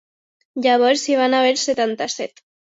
Llavors hi va haver setanta-set.